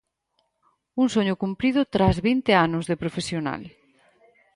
Un soño cumprido tras vinte anos de profesional.